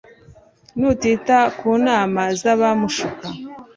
ni utita mu nama z'abamushuka